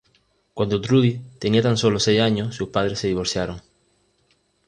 Cuando Trudy tenía tan solo seis años, sus padres se divorciaron.